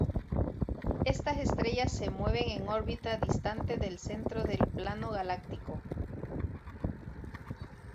Estas estrellas se mueven en órbitas distantes del centro del plano galáctico.